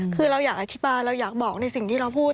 คือเราอยากอธิบายเราอยากบอกในสิ่งที่เราพูด